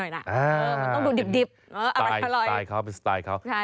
เออมันต้องดูดิบอร่อยสไตล์ครับเป็นสไตล์ครับ